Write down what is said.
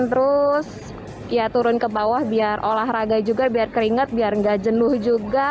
terus turun ke bawah biar olahraga juga biar keringat biar tidak jenuh juga